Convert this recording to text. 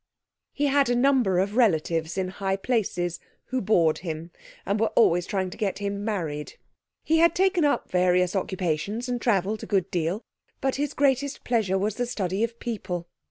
He had a number of relatives in high places, who bored him, and were always trying to get him married. He had taken up various occupations and travelled a good deal. But his greatest pleasure was the study of people.